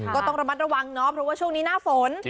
ก็ต้องระมัดระวังเนาะเพราะว่าช่วงนี้หน้าฝน